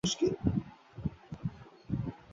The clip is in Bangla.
কিন্তু বিবাহ না করিয়া ঠকা ভালো, বিবাহ করিয়া ঠকিলেই মুশকিল।